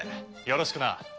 よろしくな。